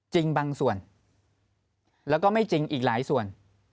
จริงบางส่วนแล้วก็ไม่จริงอีกหลายส่วน